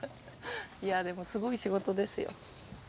いやでもすごい仕事ですよ。